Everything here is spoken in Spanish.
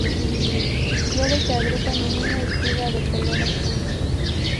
Sus flores se agrupan en una espiga de color azul.